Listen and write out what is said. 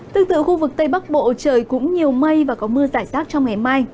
tương tự khu vực tây bắc bộ trời cũng nhiều mây và có mưa giải rác trong ngày mai